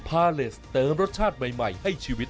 พาเลสเติมรสชาติใหม่ให้ชีวิต